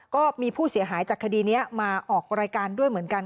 ก็มีผู้เสียหายจากคดีนี้มาออกรายการด้วยเหมือนกัน